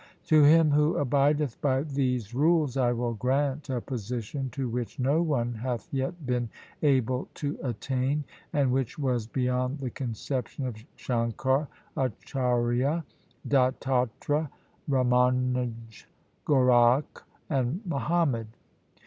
1 To him who abideth by these rules I will grant a position to which no one hath yet been able to attain, and which was beyond the conception of Shankar Acharya, 2 Dattatre, Ramanuj, 3 Gorakh, and Muhammad.